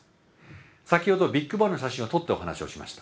先ほどビッグバンの写真を撮ったお話をしました。